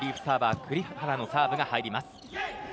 サーバー栗原のサーブが入ります。